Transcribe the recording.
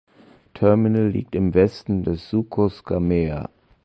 Terminal liegt im Westen des Sucos Camea.